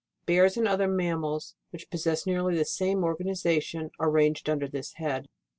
Bears and other mammals which possess nearly the same organisation, are ranged under this head.